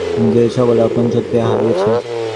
শুশ্রূষা দিয়ে তার কী করতে পার, যে-মানুষ আপন সত্য হারিয়েছে!